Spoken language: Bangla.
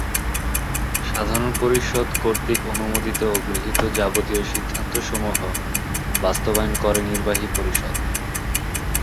সাধারণ পরিষদ কর্তৃক অনুমোদিত ও গৃহীত যাবতীয় সিদ্ধান্তসমূহ বাস্তবায়ন করে নির্বাহী পরিষদ।